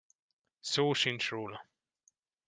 Szó sincs róla.